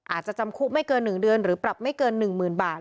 จำคุกไม่เกิน๑เดือนหรือปรับไม่เกิน๑๐๐๐บาท